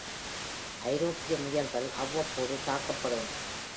ஐரோப்பிய முயல்கள் அவ்வப்போது தாக்கப்படுகின்றன.